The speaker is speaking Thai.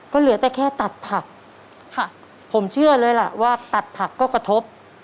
ก็เหลือแต่แค่ตัดผักค่ะผมเชื่อเลยล่ะว่าตัดผักก็กระทบ